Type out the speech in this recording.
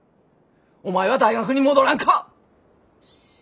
お前は大学に戻らんか。